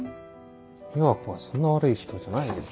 美和子はそんな悪い人じゃないよ。